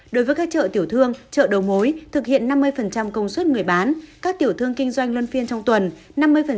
đối với các chợ tiểu thương chợ đầu mối thực hiện năm mươi công suất người bán các tiểu thương kinh doanh luân phiên trong tuần